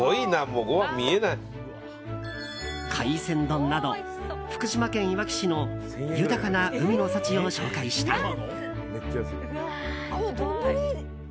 海鮮丼など、福島県いわき市の豊かな海の幸を紹介した。